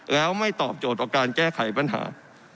แล้วไม่ตอบโจทย์ต่อการแก้ไขปัญหา